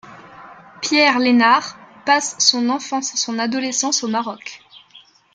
Pierre Lenhardt passe son enfance et son adolescence au Maroc.